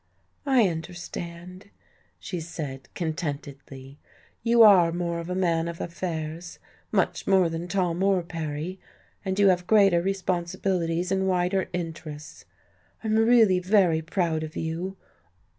"I understand," she said contentedly. "You are more of a man of affairs much more than Tom or Perry, and you have greater responsibilities and wider interests. I'm really very proud of you.